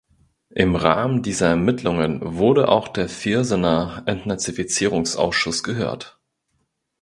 Im Rahmen dieser Ermittlungen wurde auch der Viersener Entnazifizierungsausschuss gehört.